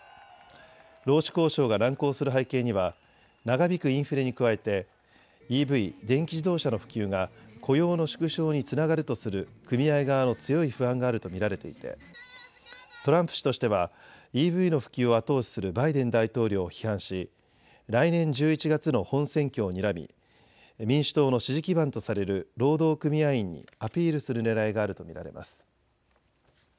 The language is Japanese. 労使交渉が難航する背景には長引くインフレに加えてＥＶ・電気自動車の普及が雇用の縮小につながるとする組合側の強い不安があると見られていてトランプ氏としてはＥＶの普及を後押しするバイデン大統領を批判し、来年１１月の本選挙をにらみ民主党の支持基盤とされる労働組合員にアピールするねらいがあると見られます。